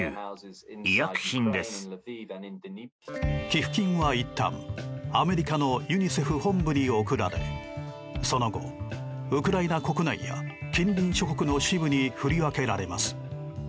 寄付金は、いったんアメリカのユニセフ本部に送られその後、ウクライナ国内や近隣諸国の支部に振り分けられます。